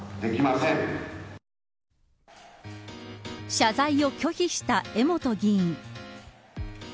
謝罪を拒否した江本議員。